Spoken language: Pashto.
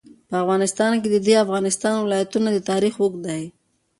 په افغانستان کې د د افغانستان ولايتونه تاریخ اوږد دی.